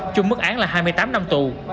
chung mức án là hai mươi tám năm tù